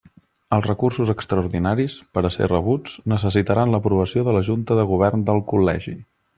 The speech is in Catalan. Els recursos extraordinaris, per a ser rebuts, necessitaran l'aprovació de la Junta de Govern del Col·legi.